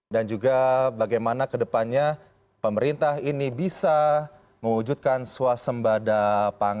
dan juga bagaimana ke depannya pemerintah ini bisa mewujudkan suasembadan